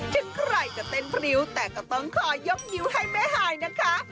ถึงใครจะเต้นพริ้วแต่ก็ต้องขอยกนิ้วให้แม่ฮายนะคะ